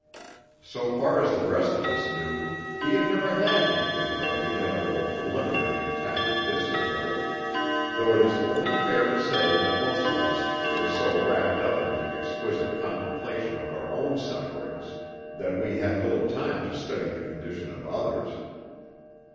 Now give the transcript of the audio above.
So far as the rest of us knew, he had never had anything but the inevitable preliminary attack of dysentery, though it is only fair to say that most of us were so wrapped up in the exquisite contemplation of our own sufferings, that we had little time to study the condition of others.